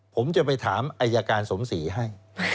ผมจะไปถามอายการสมศรีให้